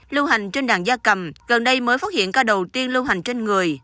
lưu hành trên đàn da cầm gần đây mới phát hiện ca đầu tiên lưu hành trên người